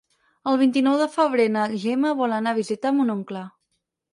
El vint-i-nou de febrer na Gemma vol anar a visitar mon oncle.